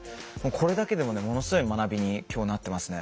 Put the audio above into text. これだけでもねものすごい学びに今日なってますね。